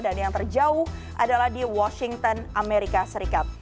dan yang terjauh adalah di washington amerika serikat